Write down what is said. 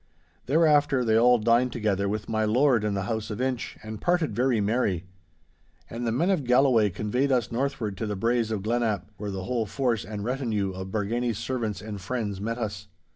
Thereafter they all dined together with my lord in the house of Inch, and parted very merry. And the men of Galloway convoyed us northward to the braes of Glenap, where the whole force and retinue of Bargany's servants and friends met us.